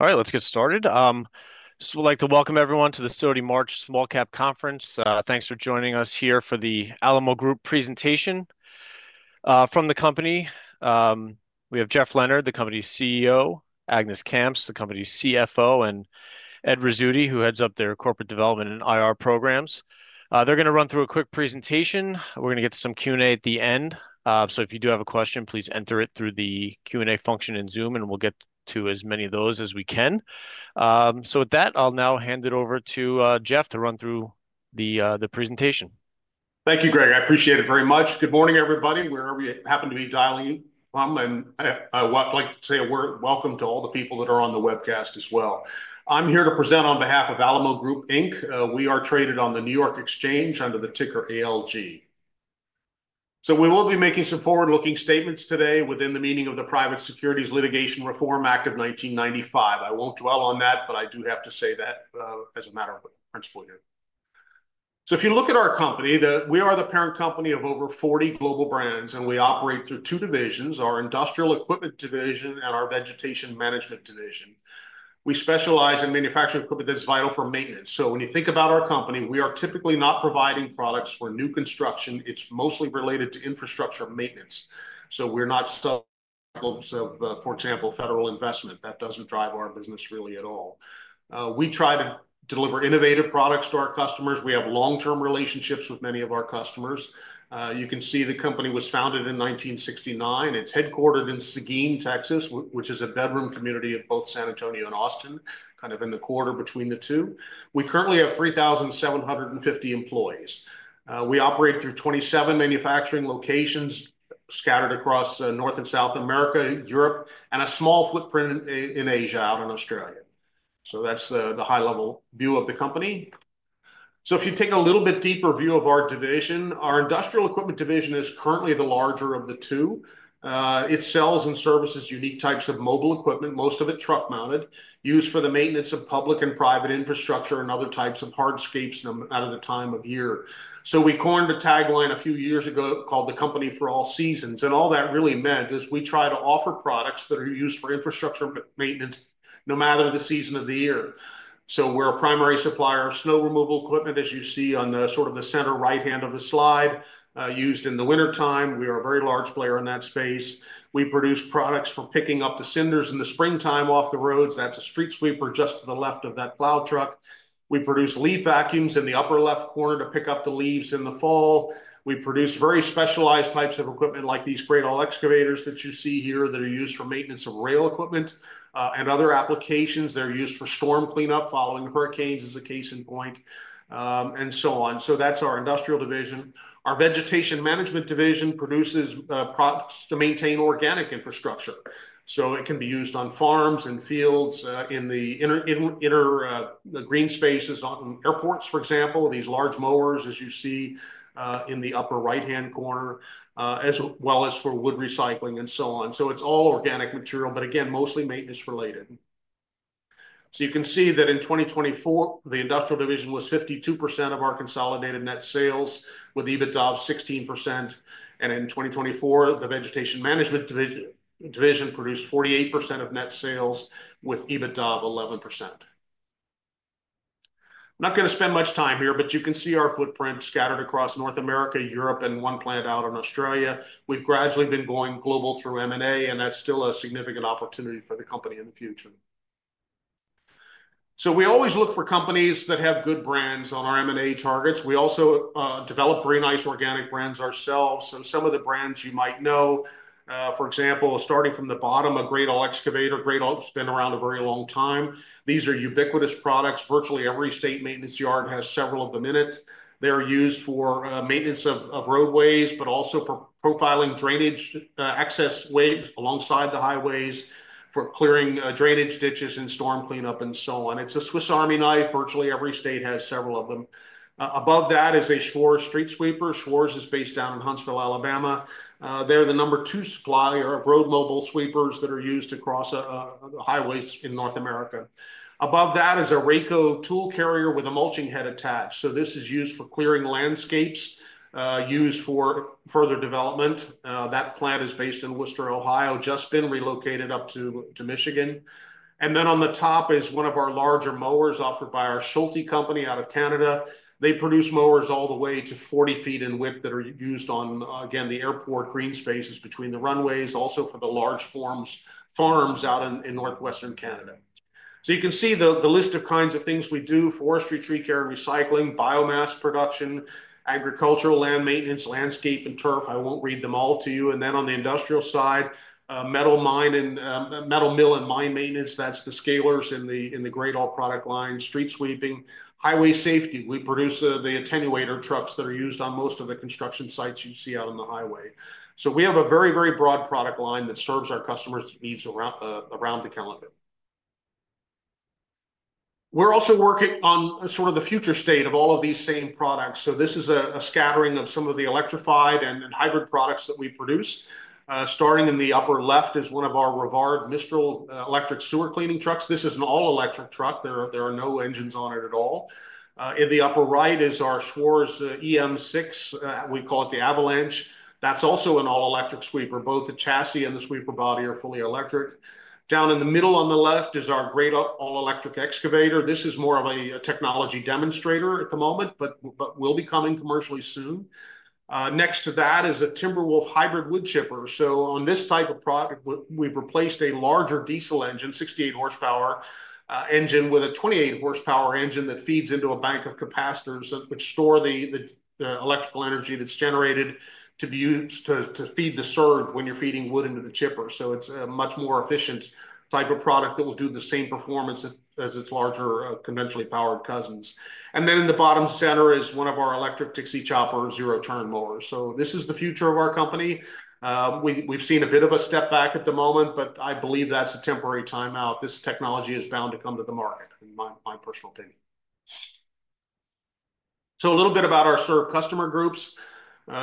All right, let's get started. I just would like to welcome everyone to the Sidoti March Small Cap Conference. Thanks for joining us here for the Alamo Group presentation. From the company, we have Jeffery Leonard, the company's CEO; Agnes Kamps, the company's CFO; and Ed Rizzuti, who heads up their corporate development and IR programs. They're going to run through a quick presentation. We're going to get to some Q&A at the end. If you do have a question, please enter it through the Q&A function in Zoom, and we'll get to as many of those as we can. With that, I'll now hand it over to Jeff to run through the presentation. Thank you, Greg. I appreciate it very much. Good morning, everybody. Where are we? Happen to be dialing in from? I would like to say a word of welcome to all the people that are on the webcast as well. I'm here to present on behalf of Alamo Group. We are traded on the New York Exchange under the ticker ALG. We will be making some forward-looking statements today within the meaning of the Private Securities Litigation Reform Act of 1995. I won't dwell on that, but I do have to say that as a matter of principle here. If you look at our company, we are the parent company of over 40 global brands, and we operate through two divisions: our industrial equipment division and our vegetation management division. We specialize in manufacturing equipment that's vital for maintenance. When you think about our company, we are typically not providing products for new construction. It's mostly related to infrastructure maintenance. We're not subject to, for example, federal investment. That doesn't drive our business really at all. We try to deliver innovative products to our customers. We have long-term relationships with many of our customers. You can see the company was founded in 1969. It's headquartered in Seguin, Texas, which is a bedroom community of both San Antonio and Austin, kind of in the quarter between the two. We currently have 3,750 employees. We operate through 27 manufacturing locations scattered across North and South America, Europe, and a small footprint in Asia, out in Australia. That's the high-level view of the company. If you take a little bit deeper view of our division, our industrial equipment division is currently the larger of the two. It sells and services unique types of mobile equipment, most of it truck-mounted, used for the maintenance of public and private infrastructure and other types of hardscapes out of the time of year. We coined a tagline a few years ago called "The Company for All Seasons." All that really meant is we try to offer products that are used for infrastructure maintenance no matter the season of the year. We are a primary supplier of snow removal equipment, as you see on the sort of the center right hand of the slide, used in the wintertime. We are a very large player in that space. We produce products for picking up the cinders in the springtime off the roads. That is a street sweeper just to the left of that plow truck. We produce leaf vacuums in the upper left corner to pick up the leaves in the fall. We produce very specialized types of equipment like these Great Ole excavators that you see here that are used for maintenance of rail equipment and other applications. They are used for storm cleanup following hurricanes as a case in point, and so on. That is our industrial division. Our vegetation management division produces products to maintain organic infrastructure. It can be used on farms and fields in the inner green spaces on airports, for example, these large mowers, as you see in the upper right-hand corner, as well as for wood recycling and so on. It is all organic material, but again, mostly maintenance related. You can see that in 2024, the industrial division was 52% of our consolidated net sales, with EBITDA of 16%. In 2024, the vegetation management division produced 48% of net sales, with EBITDA of 11%. I'm not going to spend much time here, but you can see our footprint scattered across North America, Europe, and one plant out in Australia. We've gradually been going global through M&A, and that's still a significant opportunity for the company in the future. We always look for companies that have good brands on our M&A targets. We also develop very nice organic brands ourselves. Some of the brands you might know, for example, starting from the bottom, a Great Ole excavator, Great Ole has been around a very long time. These are ubiquitous products. Virtually every state maintenance yard has several of them in it. They're used for maintenance of roadways, but also for profiling drainage excess waves alongside the highways for clearing drainage ditches and storm cleanup and so on. It's a Swiss Army knife. Virtually every state has several of them. Above that is a Schwarze street sweeper. Schwarze is based down in Huntsville, Alabama. They're the number two supplier of road mobile sweepers that are used across the highways in North America. Above that is a Rayco tool carrier with a mulching head attached. This is used for clearing landscapes, used for further development. That plant is based in Wooster, Ohio, just been relocated up to Michigan. On the top is one of our larger mowers offered by our Schulte company out of Canada. They produce mowers all the way to 40 feet in width that are used on, again, the airport green spaces between the runways, also for the large farms out in northwestern Canada. You can see the list of kinds of things we do: forestry, tree care, and recycling, biomass production, agricultural, land maintenance, landscape, and turf. I won't read them all to you. On the industrial side, metal mine and metal mill and mine maintenance. That's the scalers in the Great Ole product line, street sweeping, highway safety. We produce the attenuator trucks that are used on most of the construction sites you see out on the highway. We have a very, very broad product line that serves our customers' needs around the country. We're also working on sort of the future state of all of these same products. This is a scattering of some of the electrified and hybrid products that we produce. Starting in the upper left is one of our Rivard/ Mistral electric sewer cleaning trucks. This is an all-electric truck. There are no engines on it at all. In the upper right is our Schwarz EM6. We call it the Avalanche. That's also an all-electric sweeper. Both the chassis and the sweeper body are fully electric. Down in the middle on the left is our Great Ole all-electric excavator. This is more of a technology demonstrator at the moment, but will be coming commercially soon. Next to that is a Timberwolf hybrid wood chipper. On this type of product, we've replaced a larger diesel engine, 68 horsepower engine, with a 28 horsepower engine that feeds into a bank of capacitors that store the electrical energy that's generated to be used to feed the surge when you're feeding wood into the chipper. It is a much more efficient type of product that will do the same performance as its larger conventionally powered cousins. In the bottom center is one of our electric Dixie Chopper zero-turn mowers. This is the future of our company. We've seen a bit of a step back at the moment, but I believe that's a temporary timeout. This technology is bound to come to the market, in my personal opinion. A little bit about our customer groups.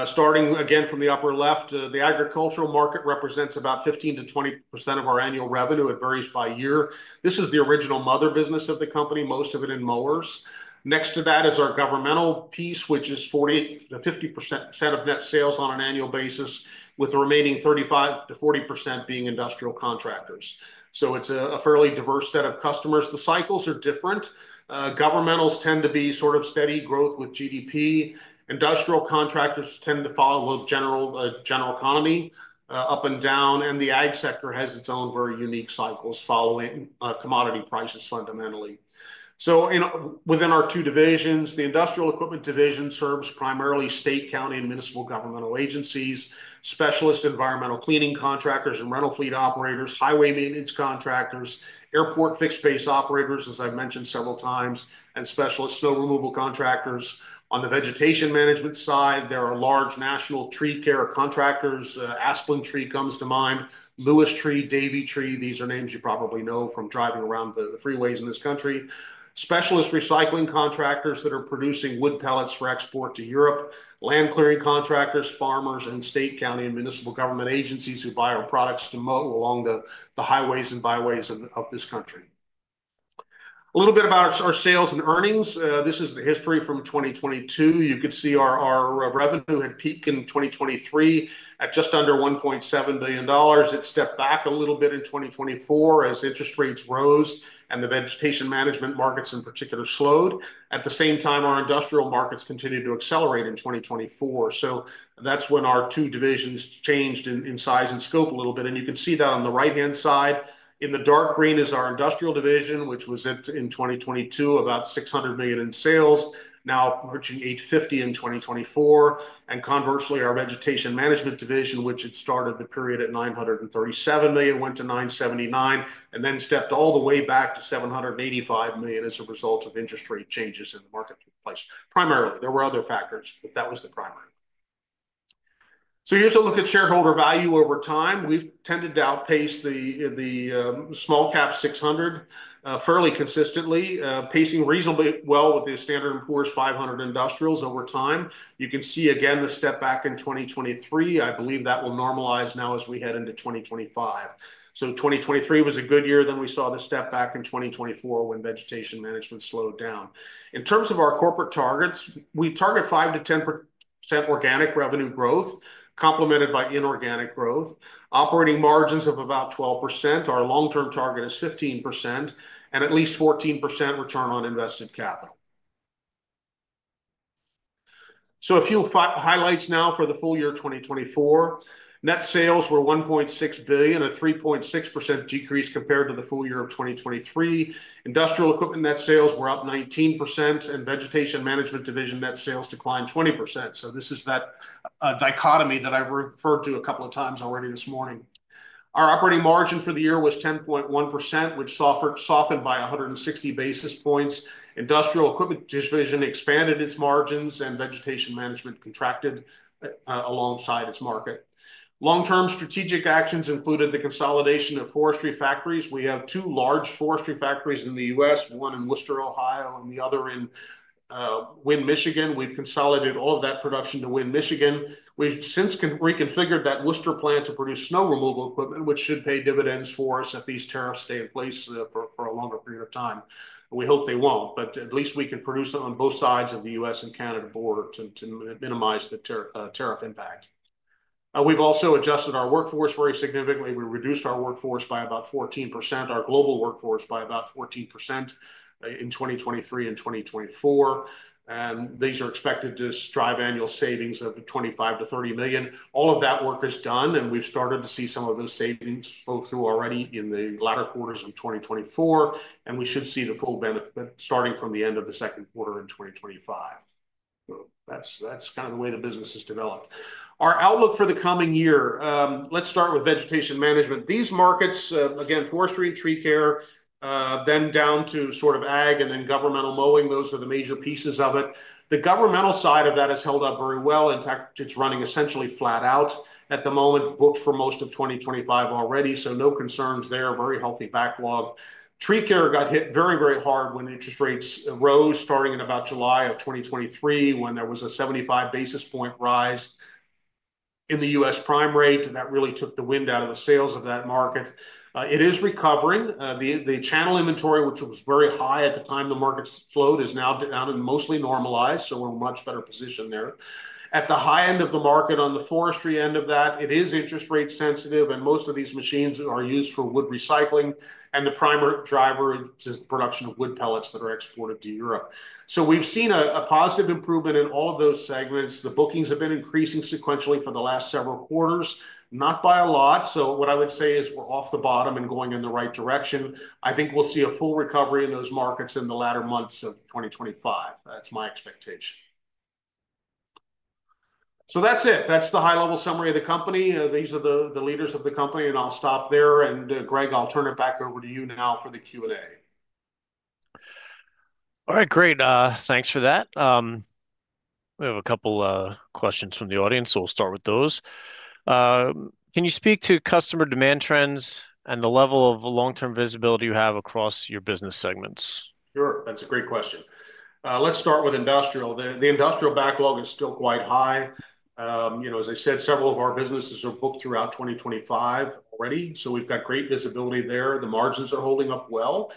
Starting again from the upper left, the agricultural market represents about 15%-20% of our annual revenue. It varies by year. This is the original mother business of the company, most of it in mowers. Next to that is our governmental piece, which is 40%-50% of net sales on an annual basis, with the remaining 35%-40% being industrial contractors. It's a fairly diverse set of customers. The cycles are different. Governmentals tend to be sort of steady growth with GDP. Industrial contractors tend to follow a general economy up and down. The ag sector has its own very unique cycles following commodity prices fundamentally. Within our two divisions, the industrial equipment division serves primarily state, county, and municipal governmental agencies, specialist environmental cleaning contractors and rental fleet operators, highway maintenance contractors, airport fixed base operators, as I've mentioned several times, and specialist snow removal contractors. On the vegetation management side, there are large national tree care contractors. Aspen Tree comes to mind, Lewis Tree, Davey Tree. These are names you probably know from driving around the freeways in this country. Specialist recycling contractors that are producing wood pellets for export to Europe, land clearing contractors, farmers, and state, county, and municipal government agencies who buy our products to mow along the highways and byways of this country. A little bit about our sales and earnings. This is the history from 2022. You could see our revenue had peaked in 2023 at just under $1.7 billion. It stepped back a little bit in 2024 as interest rates rose and the vegetation management markets, in particular, slowed. At the same time, our industrial markets continued to accelerate in 2024. That is when our two divisions changed in size and scope a little bit. You can see that on the right-hand side. In the dark green is our industrial division, which was in 2022 about $600 million in sales, now approaching $850 million in 2024. Conversely, our vegetation management division, which had started the period at $937 million, went to $979 million, and then stepped all the way back to $785 million as a result of interest rate changes in the marketplace. Primarily, there were other factors, but that was the primary. Here is a look at shareholder value over time. We have tended to outpace the small cap 600 fairly consistently, pacing reasonably well with the Standard and Poor's 500 industrials over time. You can see again the step back in 2023. I believe that will normalize now as we head into 2025. 2023 was a good year. We saw the step back in 2024 when vegetation management slowed down. In terms of our corporate targets, we target 5-10% organic revenue growth complemented by inorganic growth, operating margins of about 12%. Our long-term target is 15% and at least 14% return on invested capital. A few highlights now for the full year 2024. Net sales were $1.6 billion, a 3.6% decrease compared to the full year of 2023. Industrial equipment net sales were up 19%, and vegetation management division net sales declined 20%. This is that dichotomy that I've referred to a couple of times already this morning. Our operating margin for the year was 10.1%, which softened by 160 basis points. Industrial equipment division expanded its margins, and vegetation management contracted alongside its market. Long-term strategic actions included the consolidation of forestry factories. We have two large forestry factories in the U.S., one in Worcester, Ohio, and the other in Winn, Michigan. We've consolidated all of that production to Winn, Michigan. We've since reconfigured that Worcester plant to produce snow removal equipment, which should pay dividends for us if these tariffs stay in place for a longer period of time. We hope they won't, but at least we can produce it on both sides of the U.S. and Canada border to minimize the tariff impact. We've also adjusted our workforce very significantly. We reduced our workforce by about 14%, our global workforce by about 14% in 2023 and 2024. These are expected to drive annual savings of $25 million-$30 million. All of that work is done, and we've started to see some of those savings flow through already in the latter quarters of 2024, and we should see the full benefit starting from the end of the second quarter in 2025. That's kind of the way the business has developed. Our outlook for the coming year. Let's start with vegetation management. These markets, again, forestry and tree care, then down to sort of ag and then governmental mowing. Those are the major pieces of it. The governmental side of that has held up very well. In fact, it's running essentially flat out at the moment, booked for most of 2025 already. No concerns there. Very healthy backlog. Tree care got hit very, very hard when interest rates rose, starting in about July of 2023, when there was a 75 basis point rise in the U.S. prime rate. That really took the wind out of the sales of that market. It is recovering. The channel inventory, which was very high at the time the market slowed, is now down and mostly normalized. We are in a much better position there. At the high end of the market on the forestry end of that, it is interest rate sensitive, and most of these machines are used for wood recycling, and the primary driver is the production of wood pellets that are exported to Europe. We have seen a positive improvement in all of those segments. The bookings have been increasing sequentially for the last several quarters, not by a lot. What I would say is we're off the bottom and going in the right direction. I think we'll see a full recovery in those markets in the latter months of 2025. That's my expectation. That's it. That's the high-level summary of the company. These are the leaders of the company, and I'll stop there. Greg, I'll turn it back over to you now for the Q&A. All right. Great. Thanks for that. We have a couple of questions from the audience, so we'll start with those. Can you speak to customer demand trends and the level of long-term visibility you have across your business segments? Sure. That's a great question. Let's start with industrial. The industrial backlog is still quite high. As I said, several of our businesses are booked throughout 2025 already. We have great visibility there. The margins are holding up well.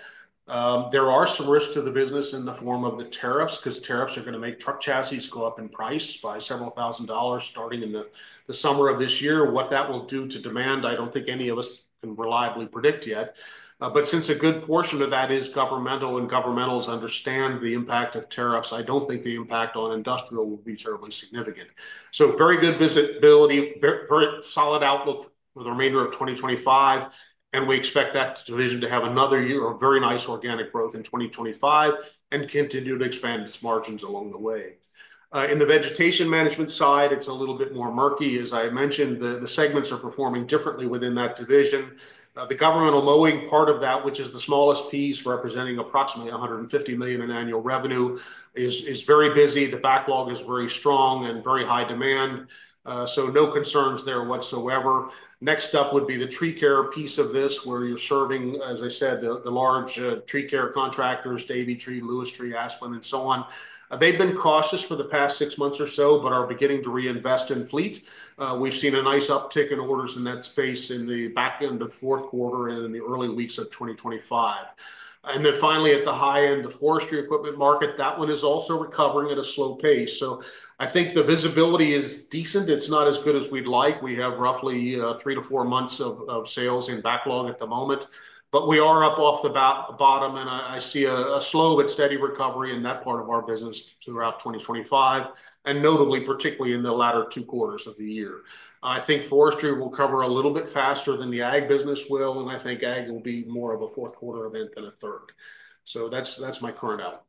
There are some risks to the business in the form of the tariffs because tariffs are going to make truck chassis go up in price by several thousand dollars starting in the summer of this year. What that will do to demand, I do not think any of us can reliably predict yet. Since a good portion of that is governmental and governmentals understand the impact of tariffs, I do not think the impact on industrial will be terribly significant. Very good visibility, very solid outlook for the remainder of 2025. We expect that division to have another year of very nice organic growth in 2025 and continue to expand its margins along the way. In the vegetation management side, it's a little bit more murky. As I mentioned, the segments are performing differently within that division. The governmental mowing part of that, which is the smallest piece representing approximately $150 million in annual revenue, is very busy. The backlog is very strong and very high demand. No concerns there whatsoever. Next up would be the tree care piece of this where you're serving, as I said, the large tree care contractors, Davey Tree, Lewis Tree, Aspen, and so on. They've been cautious for the past six months or so, but are beginning to reinvest in fleet. We've seen a nice uptick in orders in that space in the back end of the fourth quarter and in the early weeks of 2025. Finally, at the high end, the forestry equipment market, that one is also recovering at a slow pace. I think the visibility is decent. It's not as good as we'd like. We have roughly three to four months of sales in backlog at the moment. We are up off the bottom, and I see a slow but steady recovery in that part of our business throughout 2025, and notably, particularly in the latter two quarters of the year. I think forestry will recover a little bit faster than the ag business will, and I think and will be more of a fourth quarter event than a third. That's my current outlook.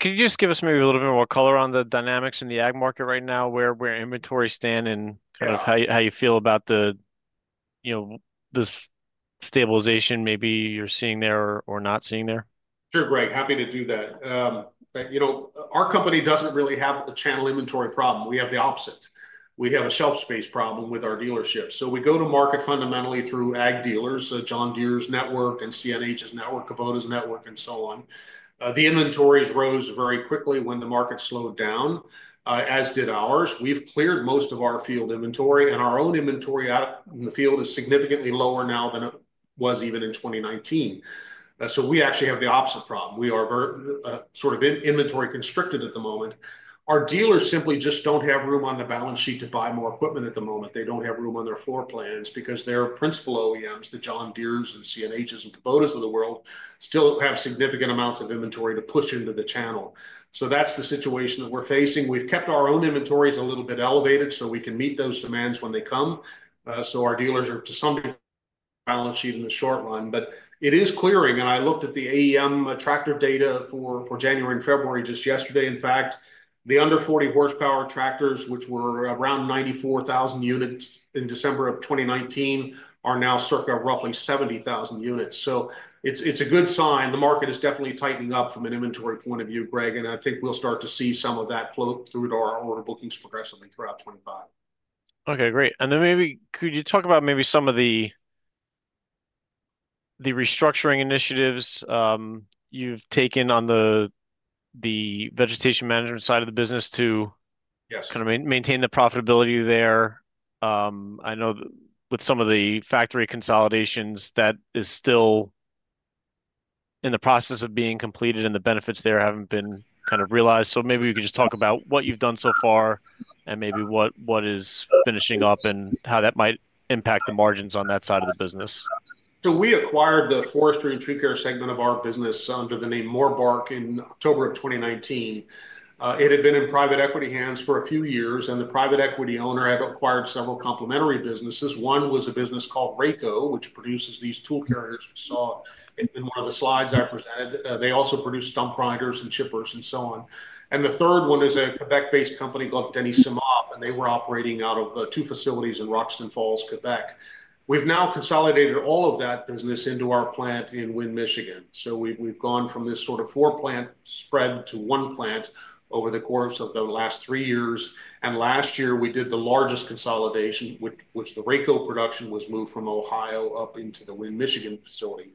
Can you just give us maybe a little bit more color on the dynamics in the and market right now, where inventory stands and kind of how you feel about this stabilization maybe you're seeing there or not seeing there? Sure, Greg. Happy to do that. Our company doesn't really have a channel inventory problem. We have the opposite. We have a shelf space problem with our dealerships. We go to market fundamentally through and dealers, John Deere's network and CNH's network, Kubota's network, and so on. The inventories rose very quickly when the market slowed down, as did ours. We've cleared most of our field inventory, and our own inventory out in the field is significantly lower now than it was even in 2019. We actually have the opposite problem. We are sort of inventory constricted at the moment. Our dealers simply just don't have room on the balance sheet to buy more equipment at the moment. They don't have room on their floor plans because their principal OEMs, the John Deere's and CNH's and Kubota's of the world, still have significant amounts of inventory to push into the channel. That's the situation that we're facing. We've kept our own inventories a little bit elevated so we can meet those demands when they come. Our dealers are to some degree balance sheet in the short run. It is clearing, and I looked at the AEM tractor data for January and February just yesterday. In fact, the under 40 horsepower tractors, which were around 94,000 units in December 2019, are now circa roughly 70,000 units. It's a good sign. The market is definitely tightening up from an inventory point of view, Greg, and I think we'll start to see some of that flow through to our order bookings progressively throughout 2025. Okay. Great. Maybe could you talk about maybe some of the restructuring initiatives you've taken on the vegetation management side of the business to kind of maintain the profitability there? I know with some of the factory consolidations, that is still in the process of being completed, and the benefits there haven't been kind of realized. Maybe you could just talk about what you've done so far and maybe what is finishing up and how that might impact the margins on that side of the business. We acquired the forestry and tree care segment of our business under the name Morbark in October of 2019. It had been in private equity hands for a few years, and the private equity owner had acquired several complementary businesses. One was a business called Reko, which produces these tool carriers you saw in one of the slides I presented. They also produce stump grinders and chippers and so on. The third one is a Quebec-based company called Denis Cimaf, and they were operating out of two facilities in Roxton Falls, Quebec. We have now consolidated all of that business into our plant in Wynne, Michigan. We have gone from this sort of four-plant spread to one plant over the course of the last three years. Last year, we did the largest consolidation, which was the Reko production was moved from Ohio up into the Wynne, Michigan facility.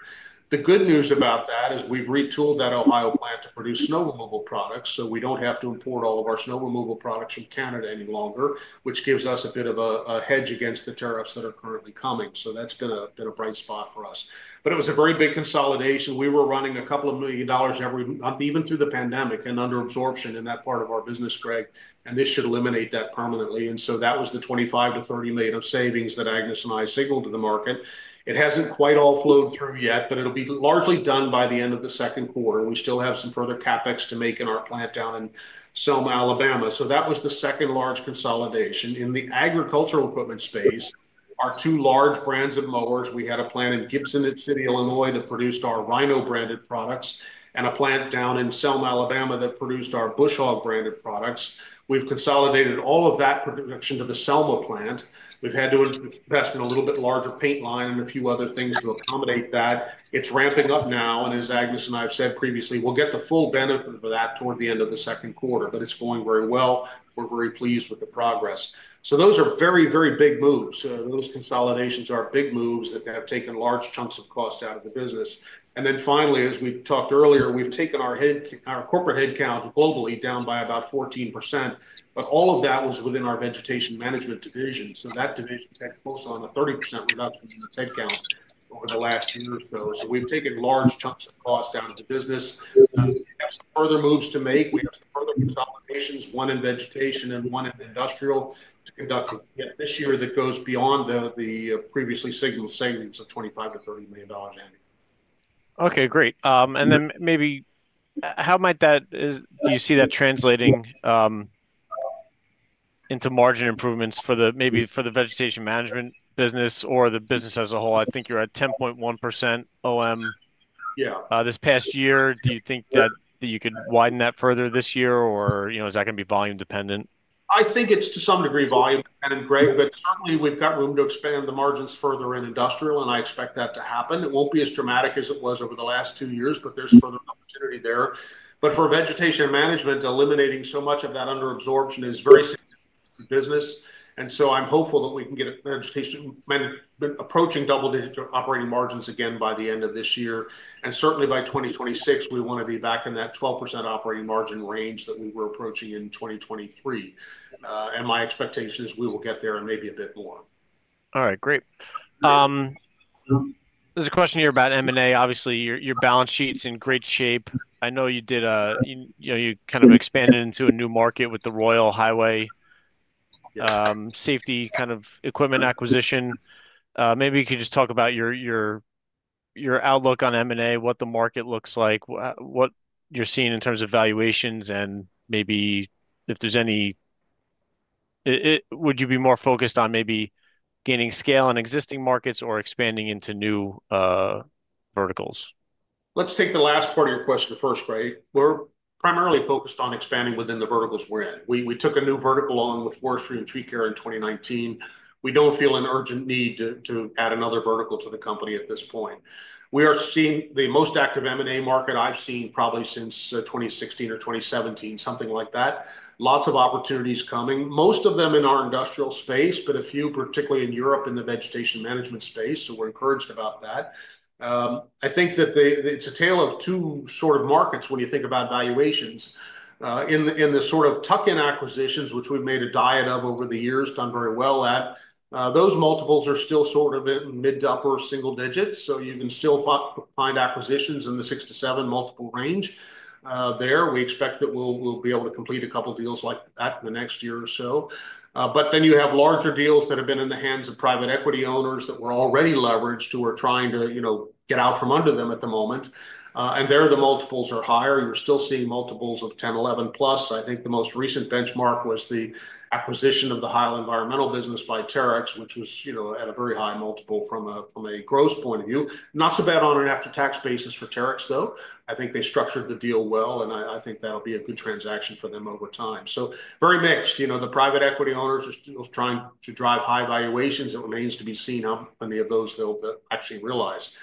The good news about that is we've retooled that Ohio plant to produce snow removal products, so we don't have to import all of our snow removal products from Canada any longer, which gives us a bit of a hedge against the tariffs that are currently coming. That has been a bright spot for us. It was a very big consolidation. We were running a couple of million dollars every month, even through the pandemic and under absorption in that part of our business, Greg, and this should eliminate that permanently. That was the $25 million-$30 million of savings that Agnes and I signaled to the market. It hasn't quite all flowed through yet, but it'll be largely done by the end of the second quarter. We still have some further CapEx to make in our plant down in Selma, Alabama. That was the second large consolidation. In the agricultural equipment space, our two large brands of mowers, we had a plant in Gibson City, Illinois, that produced our Rhino branded products, and a plant down in Selma, Alabama, that produced our Bush Hog branded products. We have consolidated all of that production to the Selma plant. We have had to invest in a little bit larger paint line and a few other things to accommodate that. It is ramping up now, and as Agnes and I have said previously, we will get the full benefit of that toward the end of the second quarter, but it is going very well. We are very pleased with the progress. Those are very, very big moves. Those consolidations are big moves that have taken large chunks of cost out of the business. Finally, as we talked earlier, we've taken our corporate headcount globally down by about 14%. All of that was within our vegetation management division. That division takes close on a 30% reduction in its headcount over the last year or so. We've taken large chunks of cost down to the business. We have some further moves to make. We have some further consolidations, one in vegetation and one in industrial, to conduct this year that goes beyond the previously signaled savings of $25 million-$30 million annually. Okay. Great. Maybe how might that, do you see that translating into margin improvements for the, maybe for the vegetation management business or the business as a whole? I think you're at 10.1% OM this past year. Do you think that you could widen that further this year, or is that going to be volume dependent? I think it's to some degree volume dependent, Greg, but certainly we've got room to expand the margins further in industrial, and I expect that to happen. It won't be as dramatic as it was over the last two years, but there's further opportunity there. For vegetation management, eliminating so much of that under absorption is very significant to the business. I am hopeful that we can get vegetation management approaching double-digit operating margins again by the end of this year. Certainly by 2026, we want to be back in that 12% operating margin range that we were approaching in 2023. My expectation is we will get there and maybe a bit more. All right. Great. There's a question here about M&A. Obviously, your balance sheet's in great shape. I know you did a you kind of expanded into a new market with the Royal Highway Safety kind of equipment acquisition. Maybe you could just talk about your outlook on M&A, what the market looks like, what you're seeing in terms of valuations, and maybe if there's any would you be more focused on maybe gaining scale in existing markets or expanding into new verticals? Let's take the last part of your question first, Greg. We're primarily focused on expanding within the verticals we're in. We took a new vertical on with forestry and tree care in 2019. We don't feel an urgent need to add another vertical to the company at this point. We are seeing the most active M&A market I've seen probably since 2016 or 2017, something like that. Lots of opportunities coming, most of them in our industrial space, but a few, particularly in Europe in the vegetation management space. We are encouraged about that. I think that it's a tale of two sort of markets when you think about valuations. In the sort of tuck-in acquisitions, which we've made a diet of over the years, done very well at, those multiples are still sort of in mid to upper single digits. You can still find acquisitions in the six to seven multiple range there. We expect that we'll be able to complete a couple of deals like that in the next year or so. Then you have larger deals that have been in the hands of private equity owners that were already leveraged who are trying to get out from under them at the moment. There, the multiples are higher. You're still seeing multiples of 10, 11 plus. I think the most recent benchmark was the acquisition of the Heil Environmental business by Terex, which was at a very high multiple from a gross point of view. Not so bad on an after-tax basis for Terex, though. I think they structured the deal well, and I think that'll be a good transaction for them over time. Very mixed. The private equity owners are still trying to drive high valuations. It remains to be seen how many of those they'll actually realize.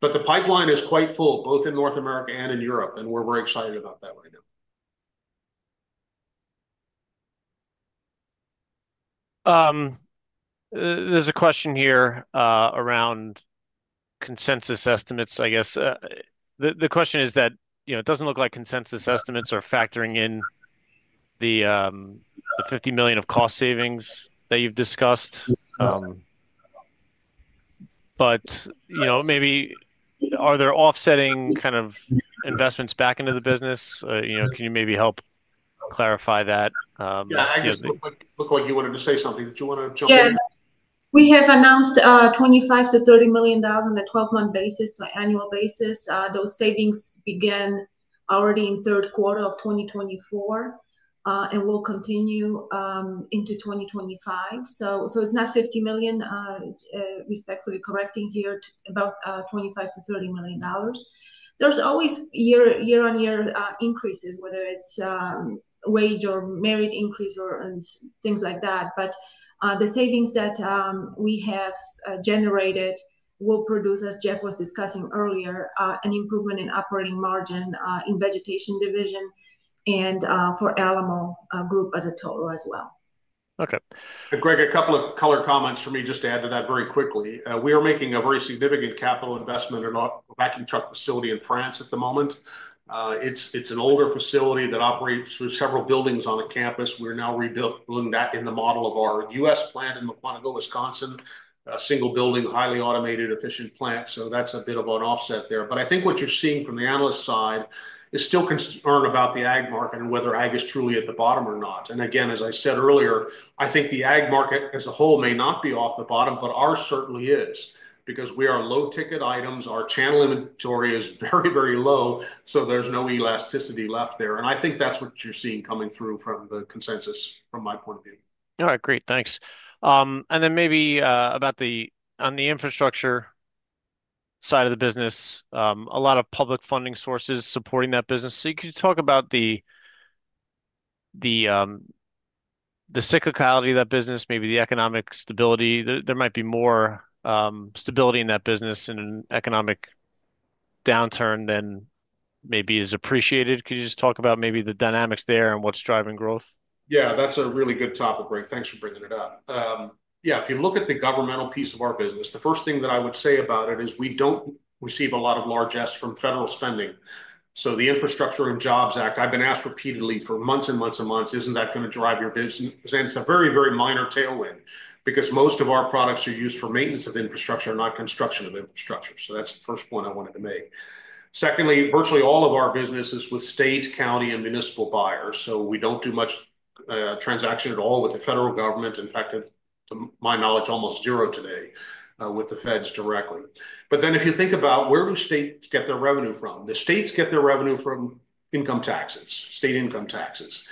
The pipeline is quite full, both in North America and in Europe, and we're very excited about that right now. There's a question here around consensus estimates, I guess. The question is that it doesn't look like consensus estimates are factoring in the $50 million of cost savings that you've discussed. Maybe, are there offsetting kind of investments back into the business? Can you maybe help clarify that? Yeah. Agnes, look like you wanted to say something. Did you want to jump in? Yeah. We have announced $25 million-$30 million on a 12-month basis, annual basis. Those savings began already in third quarter of 2024 and will continue into 2025. It is not $50 million, respectfully correcting here, about $25 million-$30 million. There are always year-on-year increases, whether it is wage or merit increase or things like that. The savings that we have generated will produce, as Jeff was discussing earlier, an improvement in operating margin in vegetation division and for Alamo Group as a total as well. Okay. Greg, a couple of color comments for me just to add to that very quickly. We are making a very significant capital investment in a vacuum truck facility in France at the moment. It is an older facility that operates through several buildings on the campus. We are now rebuilding that in the model of our US plant in Mukwonago, Wisconsin, a single building, highly automated, efficient plant. That is a bit of an offset there. I think what you are seeing from the analyst side is still concern about the ag market and whether ag is truly at the bottom or not. Again, as I said earlier, I think the ag market as a whole may not be off the bottom, but ours certainly is because we are low-ticket items. Our channel inventory is very, very low, so there is no elasticity left there. I think that's what you're seeing coming through from the consensus from my point of view. All right. Great. Thanks. Maybe on the infrastructure side of the business, a lot of public funding sources supporting that business. You could talk about the cyclicality of that business, maybe the economic stability. There might be more stability in that business in an economic downturn than maybe is appreciated. Could you just talk about maybe the dynamics there and what's driving growth? Yeah. That's a really good topic, Greg. Thanks for bringing it up. Yeah. If you look at the governmental piece of our business, the first thing that I would say about it is we don't receive a lot of largess from federal spending. The Infrastructure and Jobs Act, I've been asked repeatedly for months and months and months, isn't that going to drive your business? It's a very, very minor tailwind because most of our products are used for maintenance of infrastructure, not construction of infrastructure. That's the first point I wanted to make. Secondly, virtually all of our business is with state, county, and municipal buyers. We don't do much transaction at all with the federal government. In fact, to my knowledge, almost zero today with the feds directly. If you think about where do states get their revenue from? The states get their revenue from income taxes, state income taxes.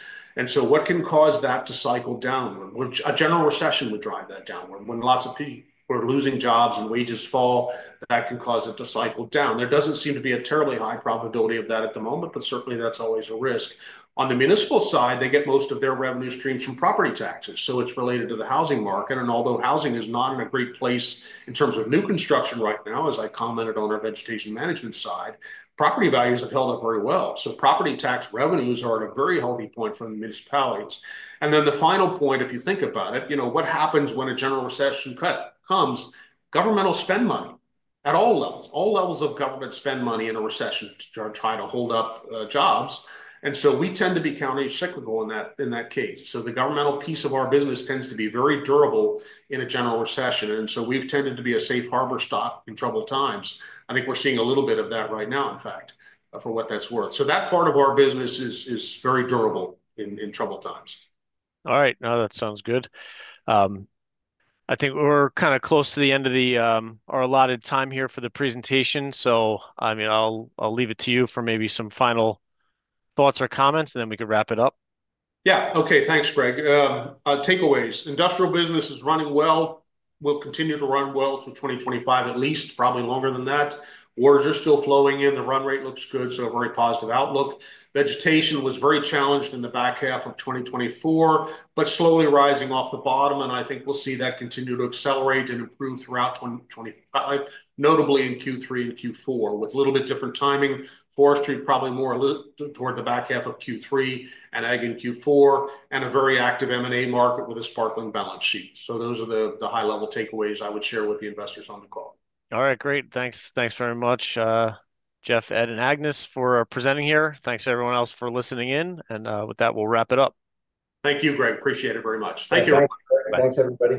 What can cause that to cycle down? A general recession would drive that down. When lots of people are losing jobs and wages fall, that can cause it to cycle down. There does not seem to be a terribly high probability of that at the moment, but certainly that is always a risk. On the municipal side, they get most of their revenue streams from property taxes. It is related to the housing market. Although housing is not in a great place in terms of new construction right now, as I commented on our vegetation management side, property values have held up very well. Property tax revenues are at a very healthy point for the municipalities. The final point, if you think about it, what happens when a general recession comes? Governmental spend money at all levels. All levels of government spend money in a recession to try to hold up jobs. We tend to be countercyclical in that case. The governmental piece of our business tends to be very durable in a general recession. We have tended to be a safe harbor stock in troubled times. I think we're seeing a little bit of that right now, in fact, for what that's worth. That part of our business is very durable in troubled times. All right. No, that sounds good. I think we're kind of close to the end of our allotted time here for the presentation. I mean, I'll leave it to you for maybe some final thoughts or comments, and then we could wrap it up. Yeah. Okay. Thanks, Greg. Takeaways. Industrial business is running well. We'll continue to run well through 2025, at least, probably longer than that. Waters are still flowing in. The run rate looks good, so a very positive outlook. Vegetation was very challenged in the back half of 2024, but slowly rising off the bottom. I think we'll see that continue to accelerate and improve throughout 2025, notably in Q3 and Q4, with a little bit different timing. Forestry probably more toward the back half of Q3 and ag in Q4, and a very active M&A market with a sparkling balance sheet. Those are the high-level takeaways I would share with the investors on the call. All right. Great. Thanks. Thanks very much, Jeff, Ed, and Agnes for presenting here. Thanks to everyone else for listening in. With that, we'll wrap it up. Thank you, Greg. Appreciate it very much. Thank you. Thanks, everybody.